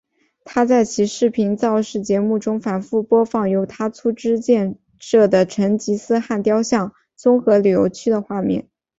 他在其视频造势节目中反复播放由他出资建设的成吉思汗雕像综合旅游区的画面。